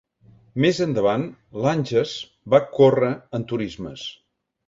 Més endavant, Langes va córrer en turismes.